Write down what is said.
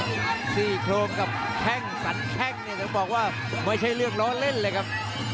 ซี่โครงกับแข้งสันแข้งเนี่ยต้องบอกว่าไม่ใช่เรื่องล้อเล่นเลยครับ